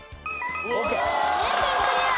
三重県クリア！